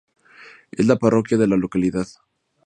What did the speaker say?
Es la parroquia de la localidad.